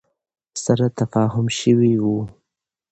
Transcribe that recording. سره تفاهم شوی ؤ